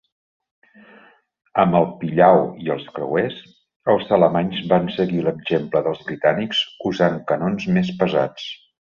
Amb el "Pillau" i els creuers, els alemanys van seguir l'exemple dels britànics usant canons més pesats.